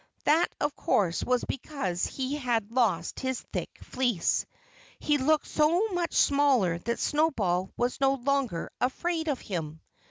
That, of course, was because he had lost his thick fleece. He looked so much smaller that Snowball was no longer afraid of him.